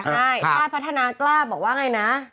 ใช่ชาติพัฒนากล้าบอกว่าไงนะ